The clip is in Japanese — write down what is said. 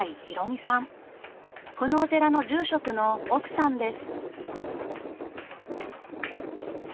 このお寺の住職の奥さんです。